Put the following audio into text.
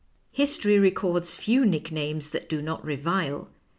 History records few nicknames that do not revile.